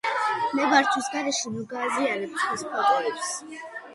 ნებართვის გარეშე ნუ გააზიარებთ სხვის ფოტოებს.